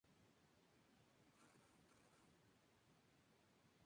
Reale realizó su propio proyecto musical bajo el título de Narita.